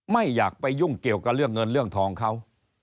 ไม่อยากไปยุ่งเกี่ยวกับเรื่องเงินเรื่องทองเขา